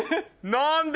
何で？